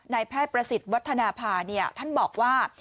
แพทย์ประสิทธิ์วัฒนภาท่านบอกว่า